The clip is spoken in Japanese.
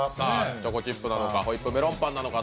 チョコチップなのかホイップメロンパンなのか。